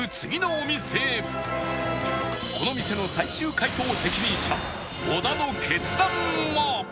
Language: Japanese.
この店の最終解答責任者小田の決断は